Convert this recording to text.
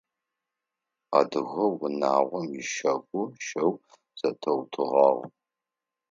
Адыгэ унагъом ищагу щэу зэтеутыгъагъ.